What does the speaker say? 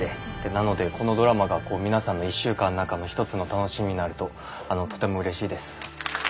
なのでこのドラマが皆さんの１週間の中の一つの楽しみになるととてもうれしいです。